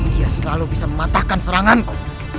dia selalu bisa mematahkan seranganku